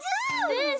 うん！